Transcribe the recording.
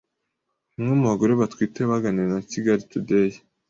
Umwe mu bagore batwite waganiriye na Kigali Today